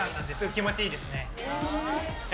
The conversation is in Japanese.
気持ちいいですね。